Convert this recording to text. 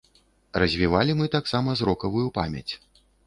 Развівалі мы таксама зрокавую памяць.